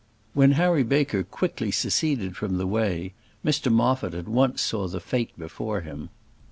When Harry Baker quickly seceded from the way, Mr Moffat at once saw the fate before him.